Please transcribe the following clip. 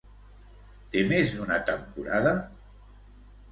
Té més d'una temporada?